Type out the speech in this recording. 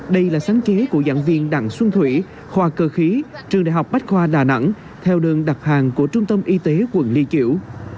đây là sáng chế của giảng viên đặng xuân thủy khoa cơ khí trường đại học bách hoa đà nẵng theo đường đặc hàng của trung tâm y tế quận ly chiểu